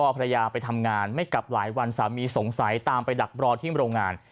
ภรรยาไปทำงานไม่กลับหลายวันสามีสงสัยตามไปดักรอที่โรงงาน